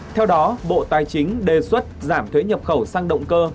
theo đó bộ tài chính đề xuất giảm thuế nhập khẩu sang động cơ